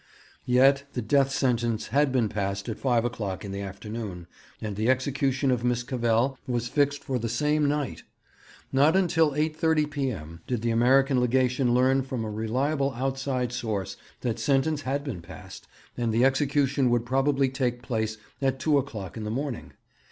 Yet the death sentence had been passed at five o'clock in the afternoon, and the execution of Miss Cavell was fixed for the same night! Not until 8.30 p.m. did the American Legation learn from a reliable outside source that sentence had been passed, and the execution would probably take place at two o'clock in the morning.